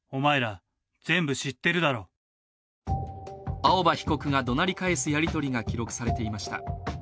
青葉被告がどなり返すやり取りが記録されていました。